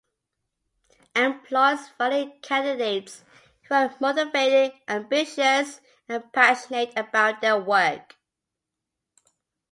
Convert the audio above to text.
Employers value candidates who are motivated, ambitious, and passionate about their work.